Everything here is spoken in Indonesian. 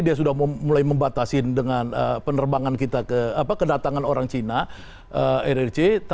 dia sudah mulai membatasi dengan penerbangan kita ke kedatangan orang cina rrc